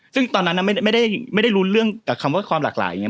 ซึ่งตอนนั้นไม่ได้รู้เรื่องกับคำว่าความหลากหลายอย่างนี้